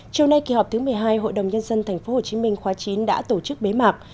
châu nay kỳ họp thứ một mươi hai hội đồng nhân dân tp hcm khóa chín đã tổ chức bế mạc